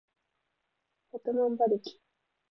百万馬力